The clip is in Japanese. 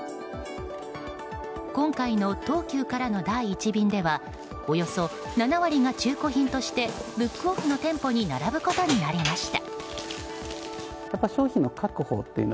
今回の東急からの第１便ではおよそ７割が中古品としてブックオフの店舗に並ぶことになりました。